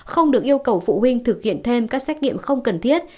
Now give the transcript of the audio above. không được yêu cầu phụ huynh thực hiện thêm các xét nghiệm không cần thiết